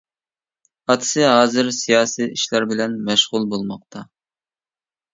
ئاتىسى ھازىر سىياسىي ئىشلار بىلەن مەشغۇل بولماقتا.